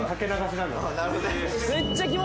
なるほどね。